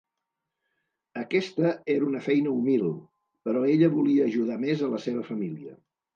Aquesta era una feina humil, però ella volia ajudar més a la seva família.